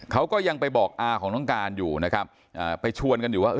เขาก็ยังไปบอกอาของน้องการอยู่นะครับไปชวนกันอยู่ว่า